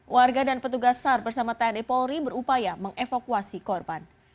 warga dan petugas sar bersama tni polri berupaya mengevakuasi korban